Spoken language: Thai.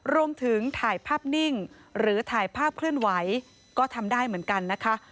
รวมถึงถ่ายภาพนิ่งหรือถ่ายภาพเคลื่อนไหวก็ทำได้เหมือนกันนะคะ